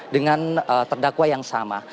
dengan terdakwa yang sama